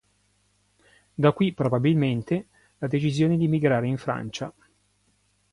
Da qui, probabilmente, la decisione di migrare in Francia.